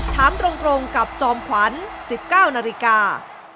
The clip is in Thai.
ถามตรงกับจอมขวัญ๑๙นาฬิกา